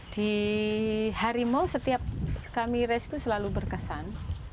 di harimau setiap kami rescue selalu berkesan